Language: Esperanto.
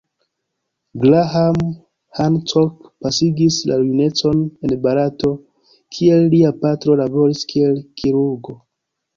Graham Hancock pasigis la junecon en Barato, kie lia patro laboris kiel kirurgo.